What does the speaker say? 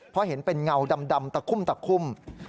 เพราะเห็นเป็นเงาดำตะคุ่ม